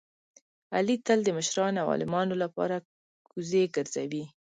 علي تل د مشرانو او عالمانو لپاره کوزې ګرځوي.